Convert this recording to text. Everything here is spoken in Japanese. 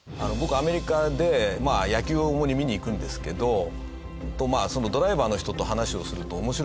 アメリカで野球を主に見に行くんですけどドライバーの人と話をすると面白いんですよね。